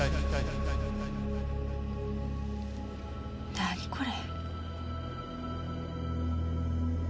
何これ！？